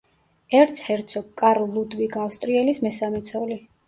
ერცჰერცოგ კარლ ლუდვიგ ავსტრიელის მესამე ცოლი.